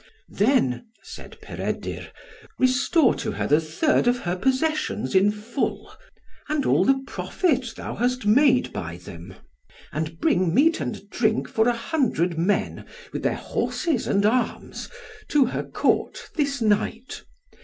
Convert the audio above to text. "Then," said Peredur, "restore to her the third of her possessions in full, and all the profit thou hast made by them, and bring meat and drink for a hundred men, with their horses and arms, to her court this night.